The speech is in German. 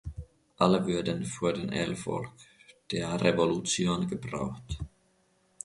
Alle würden für den Erfolg der Revolution gebraucht.